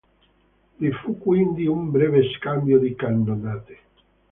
Vi fu quindi un breve scambio di cannonate.